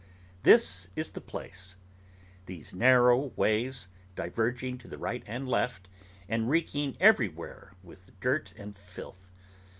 This is the place: these narrow ways, diverging to the right and left, and reeking everywhere with dirt and filth.